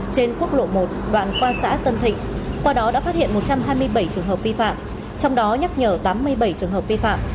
trên quốc lộ một đoạn qua xã tân thịnh qua đó đã phát hiện một trăm hai mươi bảy trường hợp vi phạm trong đó nhắc nhở tám mươi bảy trường hợp vi phạm